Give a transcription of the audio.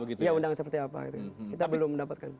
iya undangan seperti apa kita belum mendapatkan